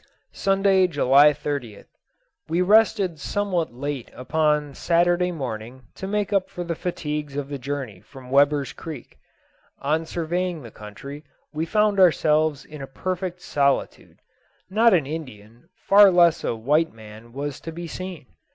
Sunday, July 30th. We rested somewhat late upon Saturday morning to make up for the fatigues of the journey from Weber's Creek. On surveying the country we found ourselves in a perfect solitude. Not an Indian, far less a white man, was to be seen.